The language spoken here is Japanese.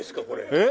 えっ？